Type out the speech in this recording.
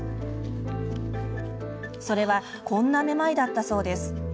それはこんなめまいだったそうです。